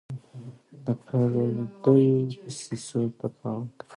د پردیو دسیسو ته پام کوئ.